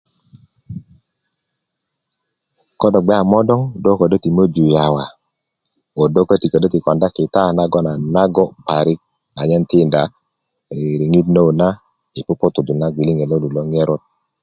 kodo gbe a modoŋ do ködö ti möju yawa ko do köti ködö ti konda kita nagon a na go parik anyen tinda riŋit nonut na yi puputukinda gbiliŋet lo lut lo ŋerot